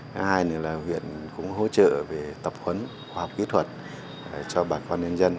thứ hai nữa là huyện cũng hỗ trợ về tập huấn khoa học kỹ thuật cho bà con nhân dân